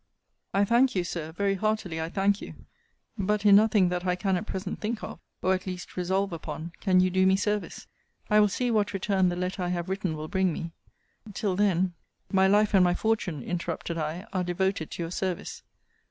I thank you, Sir: very heartily I thank you: but in nothing that I can at present think of, or at least resolve upon, can you do me service. I will see what return the letter I have written will bring me. Till then My life and my fortune, interrupted I, are devoted to your service.